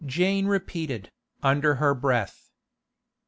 Jane repeated, under her breath.